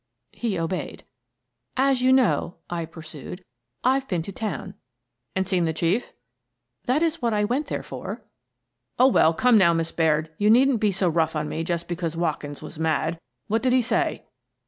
He obeyed. " As you know," I pursued, " I've been to town." "And seen the Chief?" " That is what I went there for." " Oh, well, come now, Miss Baird. You needn't be so rough on me just because Watkins was mad. What did he say?"